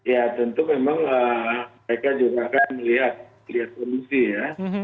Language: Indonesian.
ya tentu memang mereka juga akan melihat kondisi ya